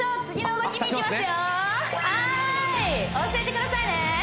はーい教えてくださいね